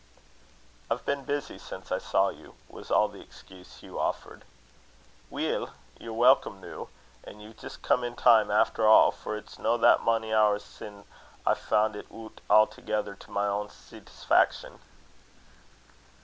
"I've been busy since I saw you," was all the excuse Hugh offered. "Weel, ye'r welcome noo; and ye've jist come in time after a', for it's no that mony hours sin' I fand it oot awthegither to my ain settisfaction."